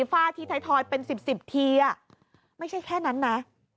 ฝ้าที่ไททอยด์เป็น๑๐สิบทีไม่ใช่แค่นั้นนะ